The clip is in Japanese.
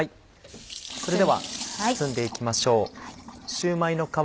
それでは包んで行きましょう。